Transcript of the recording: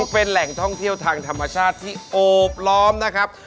เป็นแหล่งท่องเที่ยวทางธรรมชาติที่โอบล้อมนะครับ